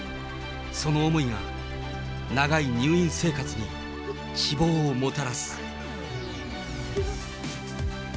その思いが長い入院生活に希望をもたらす。